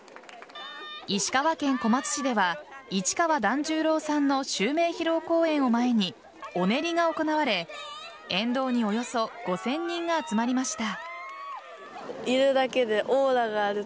石川県小松市では市川團十郎さんの襲名披露公演を前にお練りが行われ沿道におよそ５０００人が集まりました。